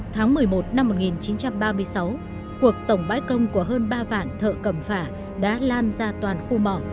tháng một mươi một năm một nghìn chín trăm ba mươi sáu cuộc tổng bãi công của hơn ba vạn thợ cầm phả đã lan ra toàn khu mỏ